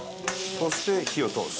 そして火を通す。